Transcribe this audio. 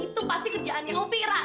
itu pasti kerjaannya hobi ra